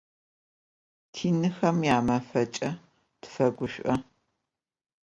Tinıxem yamafeç'e tafeguş'o.